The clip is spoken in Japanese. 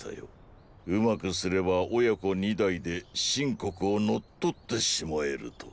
うまくすれば親子二代で秦国を乗っ取ってしまえると。